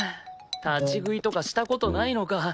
立ち食いとかした事ないのか。